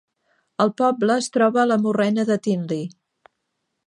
El poble es troba a la morrena de Tinley.